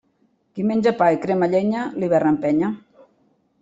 Qui menja pa i crema llenya, l'hivern empenya.